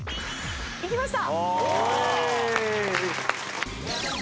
いきました！